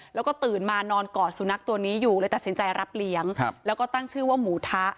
แล้วก็ตื่นมานอนกอดสุนัขตัวนี้อยู่เลยตัดสินใจรับเลี้ยงแล้วก็ตั้งชื่อว่าหมูทะ